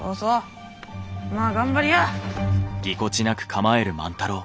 まあ頑張りや！